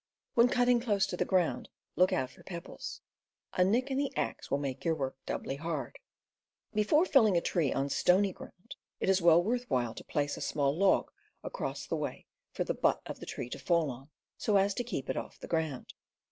When cutting close to the ground, look out for pebbles. A nick in the axe will make your work doubly hard. Before felling a tree on stony ground it is well worth while to place a small log across the way for the butt of the tree to fall on, so as to keep it off the ground.